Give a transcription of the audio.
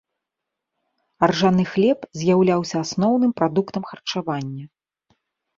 Аржаны хлеб з'яўляўся асноўным прадуктам харчавання.